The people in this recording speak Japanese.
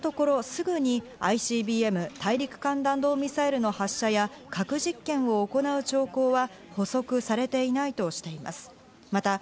今のところ、すぐにＩＣＢＭ＝大陸間弾道ミサイルの発射や核実験を行う兆候は捕捉されていないとしています。